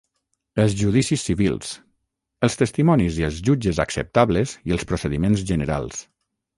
Els judicis civils: els testimonis i els jutges acceptables i els procediments generals.